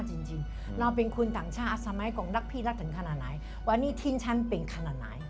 พี่ก็ชอบขี้เล่นกับเขา